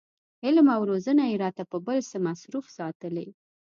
علم او روزنه یې راته په بل څه مصروف ساتلي.